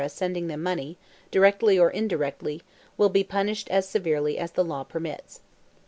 sending them money, directly or indirectly, will be punished as severely as the law permits.